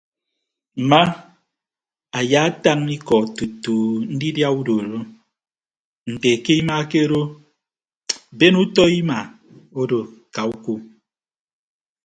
Mma ayaatañ iko tutu ndidia andooro nte ke ima ke odo ben utọ ima odo ka uko.